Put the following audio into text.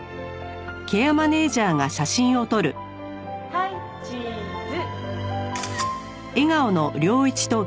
はいチーズ！